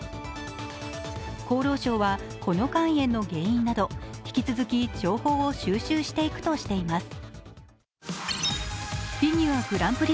厚労省は、この肝炎の原因など引き続き情報を収集していくとしています。